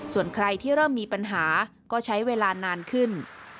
ส่วนใครที่เริ่มมีปัญหาก็ใช้เวลานานขึ้น